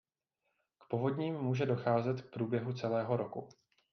K povodním může docházet v průběhu celého roku.